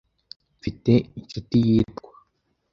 Mfite inshuti yitwa .